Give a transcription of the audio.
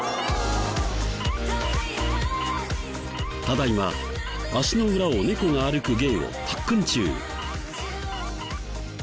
ただ今足の裏を猫が歩く芸を特訓中。